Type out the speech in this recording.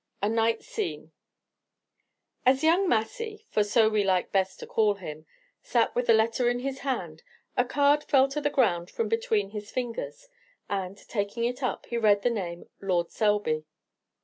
A NIGHT SCENE As young Massy for so we like best to call him sat with the letter in his hand, a card fell to the ground from between his fingers, and, taking it up, he read the name "Lord Selby."